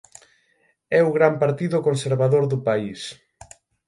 É o gran partido conservador do país.